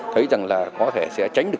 thấy rằng là có thể sẽ tránh được